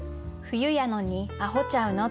「冬やのにあほちゃうの」。